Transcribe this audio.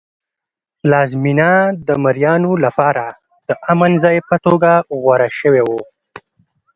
پلازمېنه د مریانو لپاره د امن ځای په توګه غوره شوی و.